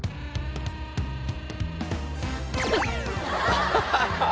「ハハハハ！」